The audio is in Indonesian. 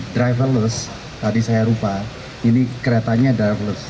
tadi saya lupa ini keretanya darah plus